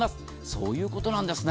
そういうことなんです。